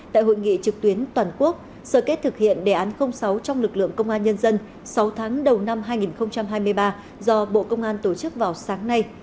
tại hội nghị trực tuyến toàn quốc sở kết thực hiện đề án sáu trong lực lượng công an nhân dân sáu tháng đầu năm hai nghìn hai mươi ba do bộ công an tổ chức vào sáng nay